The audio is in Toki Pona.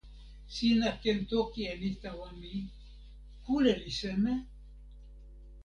sina ken toki e ni tawa mi: kule li seme?